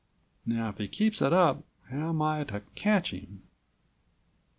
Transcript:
Now if he keeps it up, how am I to catch him?"